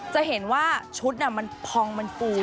จะเห็นว่าชุดมันพองมันฟู